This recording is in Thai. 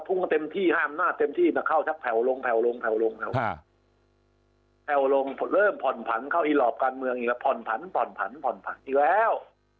แอลงเริ่มผ่อนผันเข้าอีหลอบการเมืองผ่อนผันอีกแล้ว